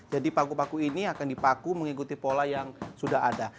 jadi paku paku ini akan dipaku mengikuti pola yang sudah ada